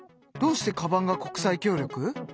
どうしてカバンが国際協力？